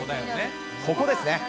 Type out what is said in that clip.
ここですね。